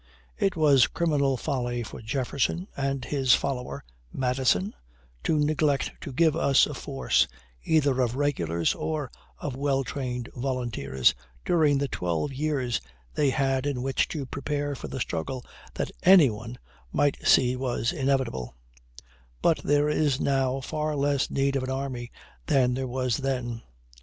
It was criminal folly for Jefferson, and his follower Madison, to neglect to give us a force either of regulars or of well trained volunteers during the twelve years they had in which to prepare for the struggle that any one might see was inevitable; but there is now far less need of an army than there was then.